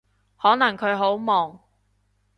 可能佢好忙